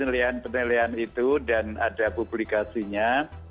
penelitian penelitian itu dan ada publikasinya